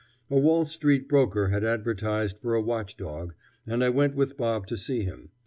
A Wall Street broker had advertised for a watch dog, and I went with Bob to see him.